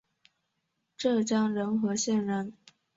浙江仁和县人。